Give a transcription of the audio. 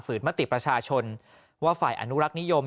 มติประชาชนว่าฝ่ายอนุรักษ์นิยม